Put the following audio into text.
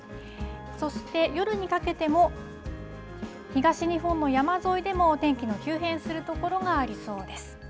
そして、夜にかけても東日本の山沿いでもお天気の急変するところがありそうです。